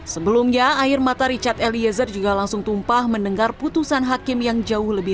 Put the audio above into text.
sebelumnya air mata richard eliezer juga langsung tumpah mendengar putusan hakim yang jauh lebih